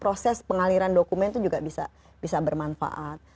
proses pengaliran dokumen itu juga bisa bermanfaat